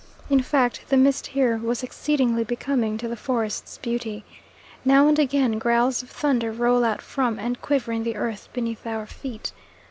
In fact, the mist here was exceedingly becoming to the forest's beauty. Now and again growls of thunder roll out from, and quiver in the earth beneath our feet.